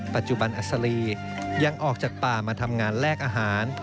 ปัจจุบันอัศรียังออกจากป่ามาทำงานแลกอาหาร